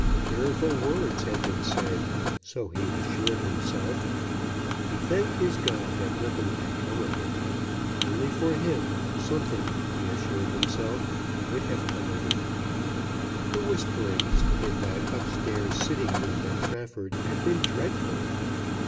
Fearful words had been said. So he assured himself. He thanked his God that nothing had come of it. Only for him something, he assured himself, would have come of it. The whisperings in that up stairs sitting room at Trafford had been dreadful.